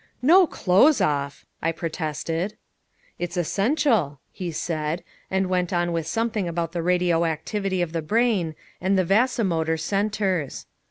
"No clothes off!" I protested. "It's essential," he said, and went on with something about the radio activity of the brain, and the vasomotor centers.